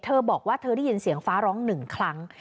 เธอบอกว่าเธอได้ยินเสียงฟ้าร้องหนึ่งครั้ง